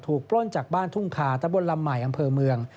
ปล้นจากบ้านทุ่งคาตะบนลำใหม่อำเภอเมือง